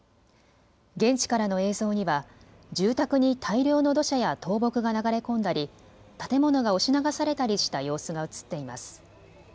現地からの映像には住宅に大量の土砂や倒木が流れ込んだり建物が押し流されたりした様子が映っています。